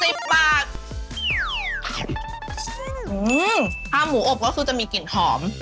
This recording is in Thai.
ข้าวหมูอบก็คือจะมีกลิ่นหอม